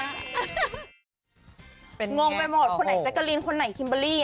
งงไปหมดคนไหนแจ๊กกะลีนคนไหนคิมเบอร์รี่